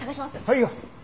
はいよ。